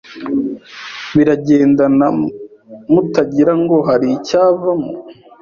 Biragendana mutagira ngo hari icyavamo